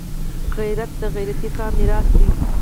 غیرت د غیرتي قام میراث دی